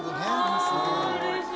あうれしい。